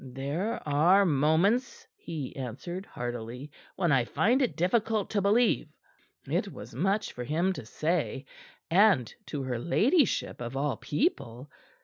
"There are moments," he answered hardily, "when I find it difficult to believe." It was much for him to say, and to her ladyship, of all people.